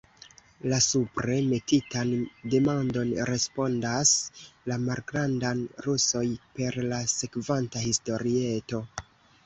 La supre metitan demandon respondas la malgrand'rusoj per la sekvanta historieto.